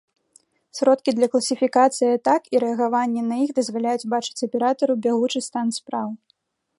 Сродкі для класіфікацыі атак і рэагаванне на іх дазваляюць бачыць аператару бягучы стан спраў.